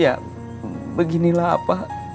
ya beginilah apa